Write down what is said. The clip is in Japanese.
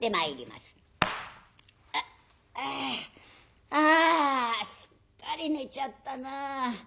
「あっあああすっかり寝ちゃったなあ。